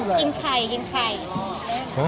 สวัสดีทุกคน